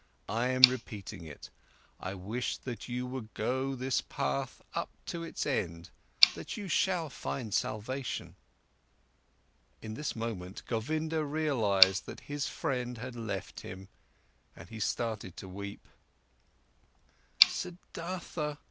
I'm repeating it: I wish that you would go this path up to its end, that you shall find salvation!" In this moment, Govinda realized that his friend had left him, and he started to weep. "Siddhartha!"